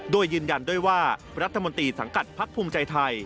โดยยืนยันด้วยว่ารัฐมนตรีสังกัดพักภูมิใจไทย